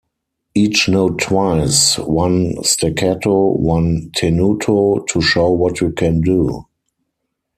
Each note twice, one staccato, one tenuto, to show what you can do.